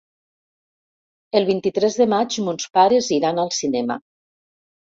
El vint-i-tres de maig mons pares iran al cinema.